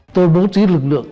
tôi đối chí lực lượng